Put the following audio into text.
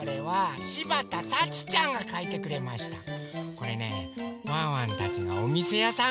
これねワンワンたちがおみせやさん